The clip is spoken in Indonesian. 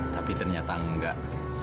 tapi ternyata nggak